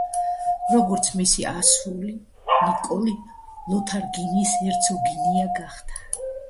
როგორც მისი უფროსი ასული, ნიკოლი ლოთარინგიის ჰერცოგინია გახდა.